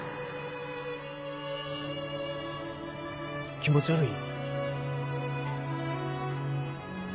気持ち悪い？